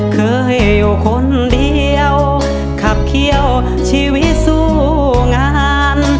เคยอยู่คนเดียวขับเขี้ยวชีวิตสู้งาน